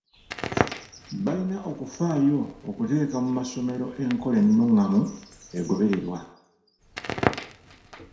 Balina okufaayo okuteeka mu masomero enkola ennungamu egobererwa.